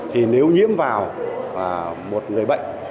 thì nếu nhiễm vào một người bệnh